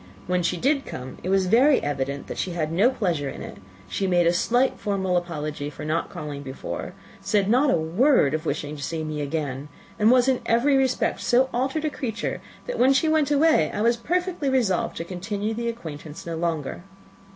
When she did come, it was very evident that she had no pleasure in it; she made a slight, formal apology for not calling before, said not a word of wishing to see me again, and was, in every respect, so altered a creature, that when she went away I was perfectly resolved to continue the acquaintance no longer.